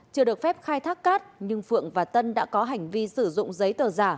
chưa được phép khai thác cát nhưng phượng và tân đã có hành vi sử dụng giấy tờ giả